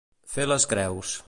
Fer les creus.